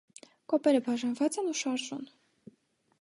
Կոպերը բաժանված են ու շարժուն։